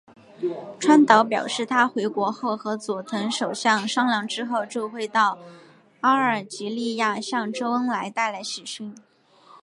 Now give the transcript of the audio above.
川岛表示他回国后和佐藤首相商量之后就会到阿尔及利亚向周恩来带来喜讯。